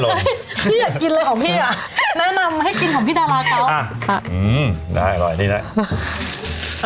ลองชิมอีกซิมปรารถองพี่ตอนนี้ดีแหละคะ